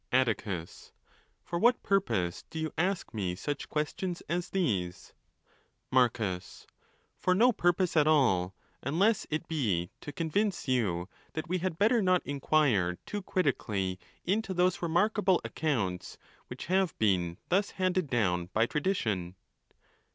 Atticus.—For what purpose do you ask me such gs "18 as these ? Marcus.—For no purpose at all, unless it be to convince you that we had better not inquire too critically into those remarkable accounts which have been thus handed down by tradition.